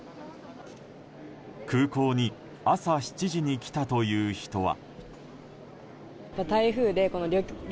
空港に朝７時に来たという人は。